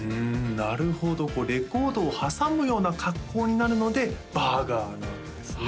なるほどレコードを挟むような格好になるので「バーガー」なわけですね